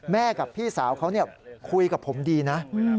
กับพี่สาวเขาคุยกับผมดีนะ